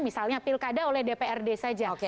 misalnya pilkada oleh dprd saja